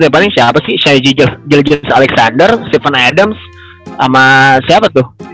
paling paling siapa sih shaiji jeljins alexander stephen adams sama siapa tuh